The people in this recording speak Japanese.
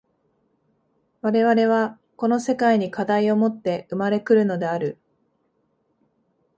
我々はこの世界に課題をもって生まれ来るのである。